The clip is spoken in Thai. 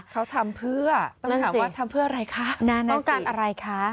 เขาทำเพื่อต้องถามว่าทำเพื่ออะไรคะต้องการอะไรคะ